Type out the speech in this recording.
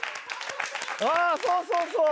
あそうそうそう！